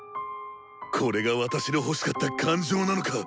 これが私の欲しかった感情なのか？